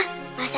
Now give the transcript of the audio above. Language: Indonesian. kamu tidak sedih